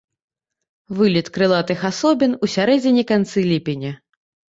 Вылет крылатых асобін у сярэдзіне-канцы ліпеня.